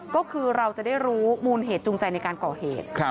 ก็คือเราจะได้รู้มูลเหตุจูงใจในการก่อเหตุ